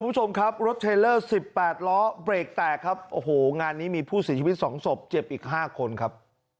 คุณผู้ชมครับรถเทลเลอร์สิบแปดล้อเบรกแตกครับโอ้โหงานนี้มีผู้เสียชีวิตสองศพเจ็บอีก๕คนครับ